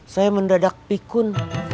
saya mendadak pikun